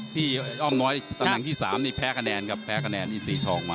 อ้อมน้อยตำแหน่งที่๓นี่แพ้คะแนนครับแพ้คะแนนที่สีทองมา